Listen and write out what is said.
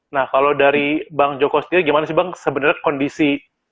nah kalau dari bang joko sendiri gimana sih bang sebenarnya kondisi